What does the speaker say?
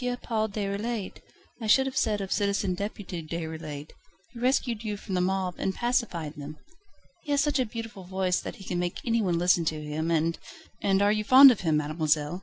Paul Déroulède I should have said of Citizen Deputy Déroulède. He rescued you from the mob, and pacified them. He has such a beautiful voice that he can make anyone listen to him, and ..." "And you are fond of him, mademoiselle?"